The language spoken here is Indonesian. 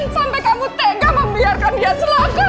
sampai kamu tegas membiarkan dia selaka